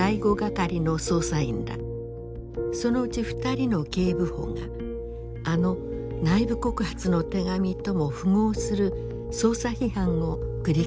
そのうち２人の警部補があの内部告発の手紙とも符合する捜査批判を繰り返したのだ。